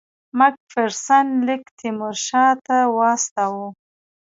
مک فیرسن لیک تیمورشاه ته واستاوه.